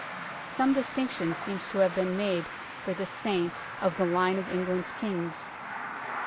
Some distinction seems to have been made for this Saint of the line of England's Kings.